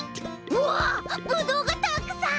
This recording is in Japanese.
うわっブドウがたくさん！